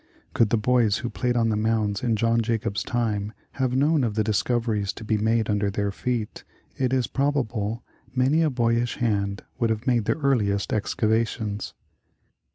Could the boys who played on the mounds in John Ja cob 's time, have known of the discoveries to be made under their feet, it is probable many a boyish hand would have made the earliest excavations.